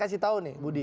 saya kasih tahu nih budi